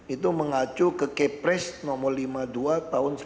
itu mengacu ke kepres nomor lima puluh dua tahun seribu sembilan ratus sembilan puluh